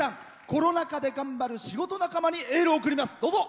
コロナ禍で頑張る仕事仲間にエールを送ります。